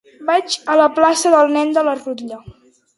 Vaig a la plaça del Nen de la Rutlla.